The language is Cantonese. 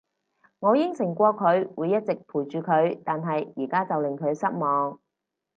我應承過佢會一直陪住佢，但係而家就令佢失望